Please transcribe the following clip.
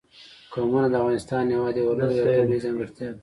قومونه د افغانستان هېواد یوه لویه او طبیعي ځانګړتیا ده.